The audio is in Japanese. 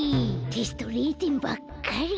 テスト０てんばっかり。